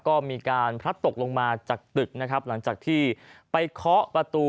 ก็มีการพลัดตกลงมาจากตึกนะครับหลังจากที่ไปเคาะประตู